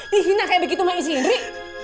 dihina kayak begitu sama isi indri